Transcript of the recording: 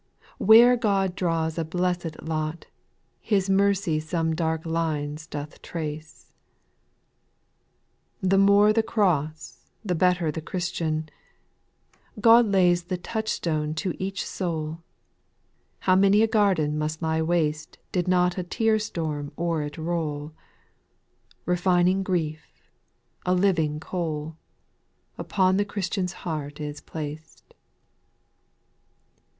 where God draws a blessed lot, His mercy some dark lines doth trace. ' 2. ' The more the cross, the better Christian ;— God lays the touchstone to each soul ; How many a garden must lie waste Did not a tear storm o'er it roll I Refining grief, a living coal, Upon the Christian's heart is placed, j 3.